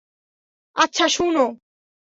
আচ্ছা, শুনো!